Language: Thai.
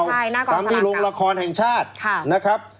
ใช่หน้ากองสลากเก่าทำที่โรงละครแห่งชาตินะครับ